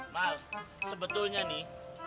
mal sebetulnya nih